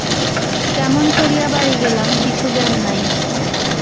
কেমন করিয়া বাড়ি গেলাম কিছু জ্ঞান নাই।